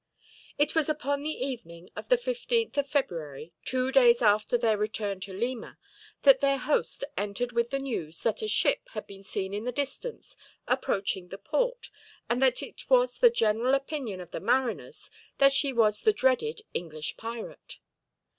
It was upon the evening of the 15th of February, two days after their return to Lima, that their host entered with the news that a ship was seen in the distance approaching the port, and that it was the general opinion of the mariners that she was the dreaded English pirate.